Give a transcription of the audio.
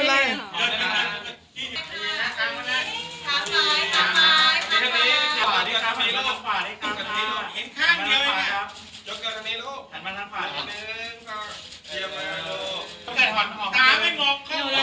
ไม่เป็นไร